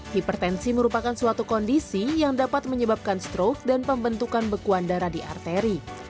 hipertensi merupakan suatu kondisi yang dapat menyebabkan stroke dan pembentukan bekuan darah di arteri